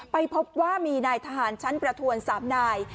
ไปพบว่ามีนายทหารชั้นประทวน๓นาย